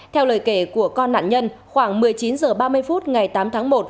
theo lời kể của con nạn nhân khoảng một mươi chín h ba mươi phút ngày tám tháng một